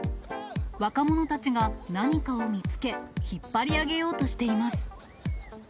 若者たちが何かを見つけ、引っ張り上げようとしています。